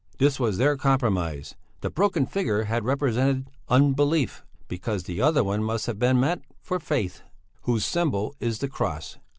This was their compromise: the broken figure had represented Unbelief, because the other one must have been meant for Faith, whose symbol is the cross.